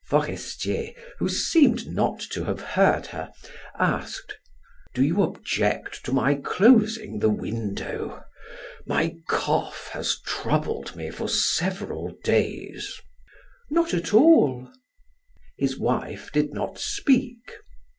Forestier, who seemed not to have heard her, asked: "Do you object to my closing the window? My cough has troubled me for several days." "Not at all." His wife did not speak.